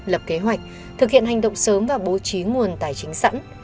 lập kế hoạch thực hiện hành động sớm và bố trí nguồn tài chính sẵn